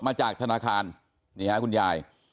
มาจากธนาคารนี่ฮะคุณยาย